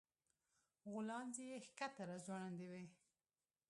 غولانځې يې ښکته راځوړندې وې